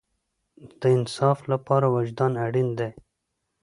د انصاف لپاره وجدان اړین دی